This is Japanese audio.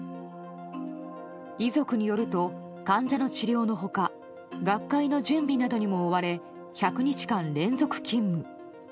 遺族によると、患者の治療の他学会の準備などにも追われ１００日間連続勤務。